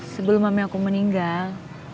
sebelum mami aku meninggal